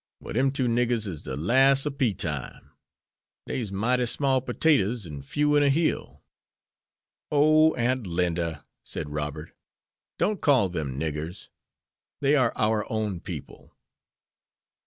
Well dem two niggers is de las' ob pea time. Dey's mighty small pertaters an' few in a hill." "Oh, Aunt Linda," said Robert, "don't call them niggers. They are our own people."